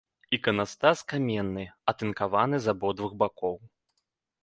Іканастас каменны, атынкаваны з абодвух бакоў.